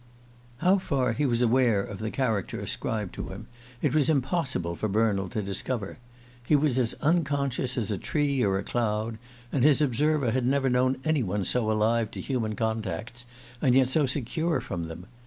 How far he was aware of the character ascribed to him it was impossible for Bernald to discover. He was as unconscious as a tree or a cloud, and his observer had never known any one so alive to human contacts and yet so secure from them.